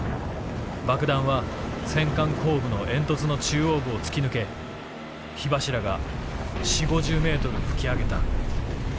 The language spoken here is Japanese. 爆弾は戦艦後部の煙突の中央部を突き抜け火柱が４０５０ｍ噴き上げた」。